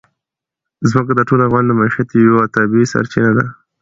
ځمکه د ټولو افغانانو د معیشت یوه طبیعي سرچینه ده.